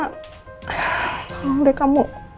tolong deh kamu